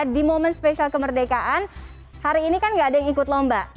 di momen spesial kemerdekaan hari ini kan gak ada yang ikut lomba